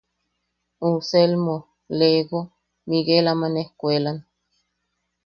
Uʼu Selmo, Lego, Miguel aman escuelan.